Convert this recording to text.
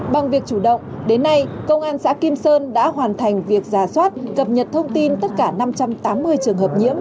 bằng việc chủ động đến nay công an xã kim sơn đã hoàn thành việc giả soát cập nhật thông tin tất cả năm trăm tám mươi trường hợp nhiễm